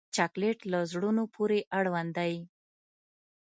چاکلېټ له زړونو پورې اړوند دی.